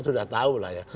sudah tahu lah ya